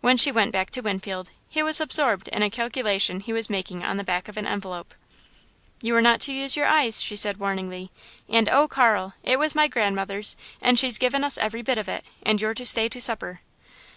When she went back to Winfield, he was absorbed in a calculation he was making on the back of an envelope. "You're not to use your eyes," she said warningly, "and, oh Carl! It was my grandmother's and she's given us every bit of it, and you're to stay to supper!"